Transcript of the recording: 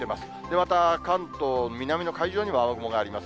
また、関東、南の海上にも雨雲があります。